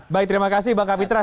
baik terima kasih bang kapitra